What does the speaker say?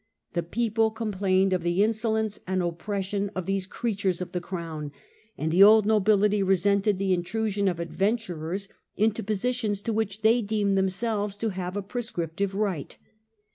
The people complained of the insolence and oppression of these creatures of the crown ; and the old nobility resented the intrusion of adventurers into positions to which they deemed themselves to have a prescriptive right.